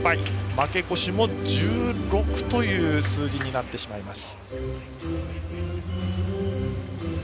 負け越しも１６という数字になってしまいます。